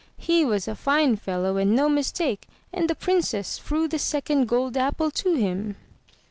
He was a fine fellow and no mistake; and the Princess threw the second gold apple to him."